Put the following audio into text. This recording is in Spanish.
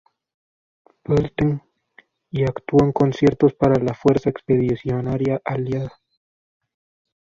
Pölten, y actuó en conciertos para la Fuerza Expedicionaria Aliada.